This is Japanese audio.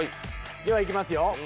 では行きますよ。